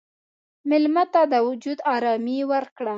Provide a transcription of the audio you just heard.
مېلمه ته د وجود ارامي ورکړه.